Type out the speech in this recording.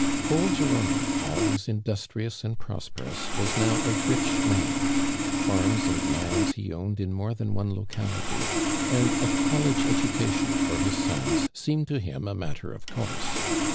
always industrioiusand pi'o.s jterous, was now a rich man. Kainis aini lands }ie owned in inoie than one locality, and fi i'oIleg(' education foi' his sons seemed to liim a matter ol' eonr.se.